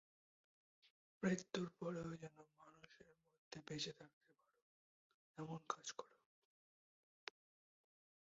মৃত্যুর পরেও যেন মানুষের মধ্যে বেঁচে থাকতে পারো, এমন কাজ করো।